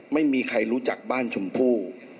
ไม่มีใครรู้จักบ้านชมพู่